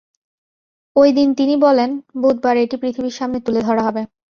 ওই দিন তিনি বলেন, বুধবার এটি পৃথিবীর সামনে তুলে ধরা হবে।